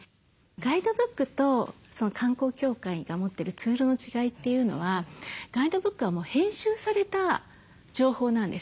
ガイドブックと観光協会が持ってるツールの違いというのはガイドブックはもう編集された情報なんですよね。